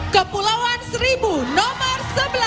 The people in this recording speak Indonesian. kepulauan seribu nomor sebelas